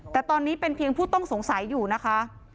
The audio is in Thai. แต่ตอนนี้เป็นเพียงผู้ต้องสงสัยอยู่นะคะ